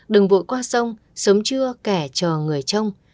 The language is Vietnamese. đừng vội qua sông sớm trưa kẻ chờ người trông